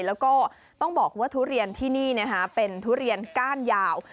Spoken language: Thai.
แล้วก็ต้องบอกว่าทุเรียนที่นี่เป็นทุเรียนก้านยาว